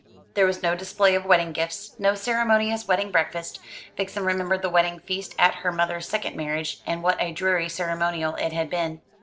There was no display of wedding gifts, no ceremonious wedding breakfast. Vixen remembered the wedding feast at her mother's second marriage, and what a dreary ceremonial it had been.